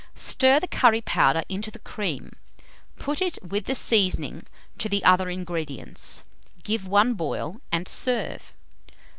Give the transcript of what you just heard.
Stir the curry powder into the cream; put it, with the seasoning, to the other ingredients; give one boil, and serve.